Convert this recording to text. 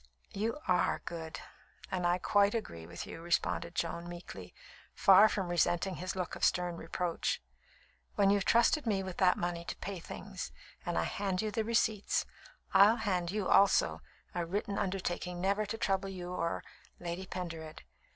"You are good, and I quite agree with you," responded Joan meekly, far from resenting his look of stern reproach. "When you've trusted me with that money to pay things, and I hand you the receipts, I'll hand you also a written undertaking never to trouble you or Lady Pendered.